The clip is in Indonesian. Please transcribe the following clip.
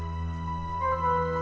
ceng eh tunggu